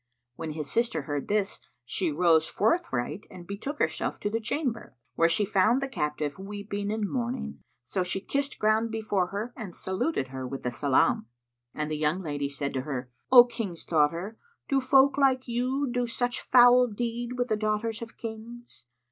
When his sister heard this, she rose forthright and betook herself to the chamber, where she found the captive weeping and mourning. So she kissed ground before her and saluted her with the salam and the young lady said to her, "O King's daughter, do folk like you do such foul deed with the daughters of Kings?